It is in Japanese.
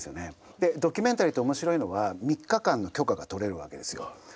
でドキュメンタリーって面白いのが３日間の許可が取れるわけですよ。